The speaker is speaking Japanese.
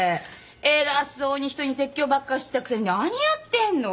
偉そうに人に説教ばっかしてたくせに何やってんの？